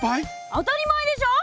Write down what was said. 当たり前でしょ！